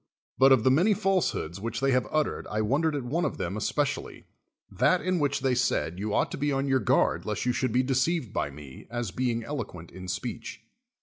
But of the many falsehoods which they have uttered I won dered at one of them especially, that in which they said you ought to be on your guard lest you should be deceived by me, as being eloquent in speech.